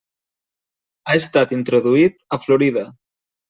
Ha estat introduït a Florida.